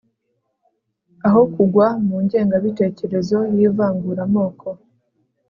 aho kugwa mu ngengabitekerezo y'ivanguramoko